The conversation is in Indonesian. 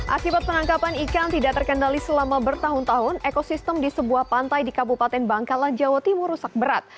akibat penangkapan ikan tidak terkendali selama bertahun tahun ekosistem di sebuah pantai di kabupaten bangkalan jawa timur rusak berat